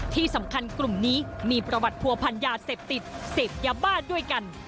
ที่สำคัญกลุ่มนี้มีประวัติผัวพันยาเสพติดเสพยาบ้าด้วยกัน